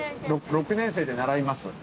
６年生で習います。